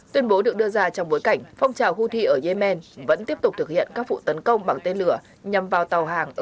tuyên bố được đưa ra trong bối cảnh phong trào houthi ở yemen vẫn tiếp tục thực hiện các vụ tấn công bằng tên lửa nhằm vào tàu hàng ở gaza